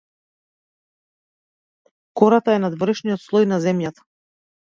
Кората е надворешниот слој на земјата.